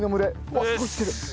うわっすごい来てる！